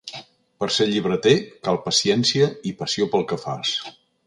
Per ser llibreter cal paciència i passió pel que fas.